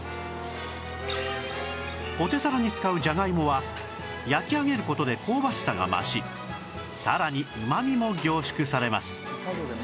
ポテサラに使うじゃがいもは焼き上げる事で香ばしさが増しさらにうま味も凝縮されます